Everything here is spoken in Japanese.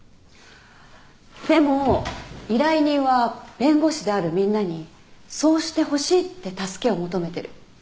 でも依頼人は弁護士であるみんなにそうしてほしいって助けを求めてる。